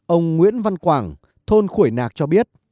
ông nguyễn văn quảng thôn khuổi nạc cho biết